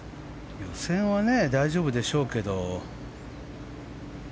予選は大丈夫でしょうけど。